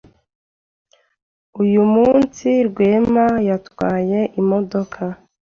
Uyu munsi, Rwema yatwaye imodoka.